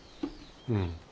うん。